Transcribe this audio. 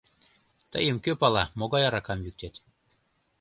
Тыйым кӧ пала, могай аракам йӱктет...